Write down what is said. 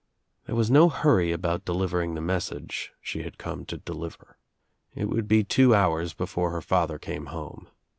There was no hurry about delivering the message she had come to deliver. It would be two hours be fore her father came home.